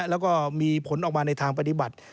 แล้วก็มีผลออกมาในทางปฏิบัติ